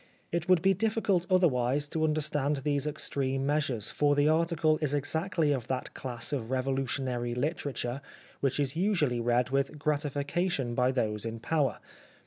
It would be difficult otherwise to understand these extreme measures, for the article is exactly of that class of revolutionary literature which is usually read with gratification by those in power.